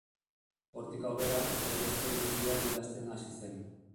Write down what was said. Hortik aurrera, bere esperientziak idazten hasi zen.